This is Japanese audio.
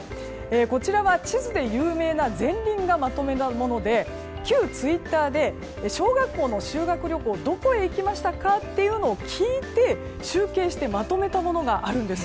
こちらは地図で有名なゼンリンがまとめたもので旧ツイッターで小学校の修学旅行どこへ行きましたかというのを聞いて集計してまとめたものがあるんです。